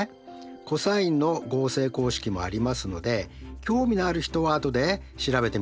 コサインの合成公式もありますので興味のある人は後で調べてみてください。